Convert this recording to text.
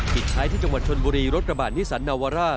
ปิดท้ายที่จังหวัดชนบุรีรถกระบาดนิสันนาวาร่า